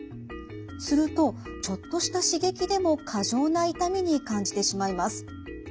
するとちょっとした刺激でも過剰な痛みに感じてしまいます。